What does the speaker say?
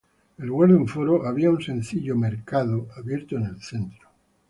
En lugar de un foro, había un simple mercado abierto en el centro.